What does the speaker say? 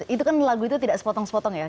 itu kan lagu itu tidak sepotong sepotong ya